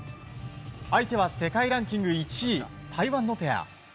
相手は世界ランキング１位台湾のペア。